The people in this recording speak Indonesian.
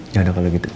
gak ada kalo gitu ya